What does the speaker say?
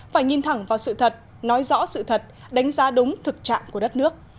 phải nhìn thẳng vào sự thật nói rõ sự thật đánh giá đúng thực trạng của đất nước